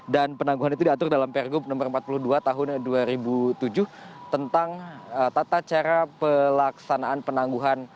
dan penangguhan itu diatur dalam pergum empat puluh dua tahun dua ribu tujuh tentang tata cara pelaksanaan penangguhan